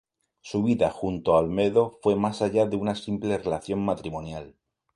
Su vida junto a Olmedo fue más allá de una simple relación matrimonial.